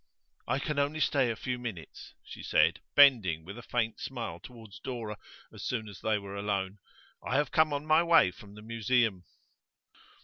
'I can only stay a few minutes,' she said, bending with a faint smile towards Dora, as soon as they were alone. 'I have come on my way from the Museum.